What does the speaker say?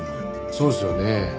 そうですよね。